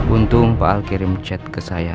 untung pak al kirim chat ke saya